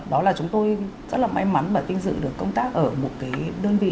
đó là chúng tôi rất là may mắn và tin dự được công tác ở một cái đơn vị